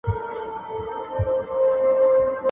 و خوره هم خوړل دي، ونغره هم خوړل دي.